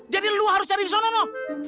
jadi lu harus cari disana no